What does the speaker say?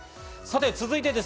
続いてです。